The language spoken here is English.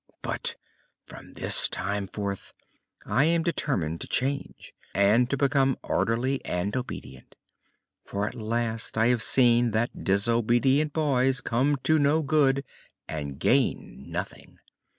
But from this time forth I am determined to change and to become orderly and obedient. For at last I have seen that disobedient boys come to no good and gain nothing.